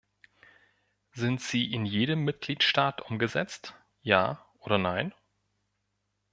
Sind sie in jedem Mitgliedstaat umgesetzt, ja oder nein?